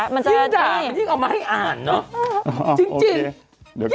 มันจะนี่อ๋อโอเคเดี๋ยวจับไว้